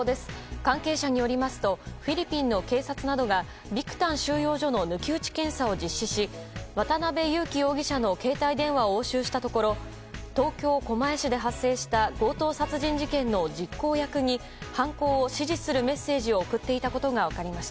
関係者によりますとフィリピンの警察などがビクタン収容所の抜き打ち検査を実施し渡辺優樹容疑者の携帯電話を押収したところ東京・狛江市で発生した強盗殺人事件の実行役に犯行を指示するメッセージを送っていたことが分かりました。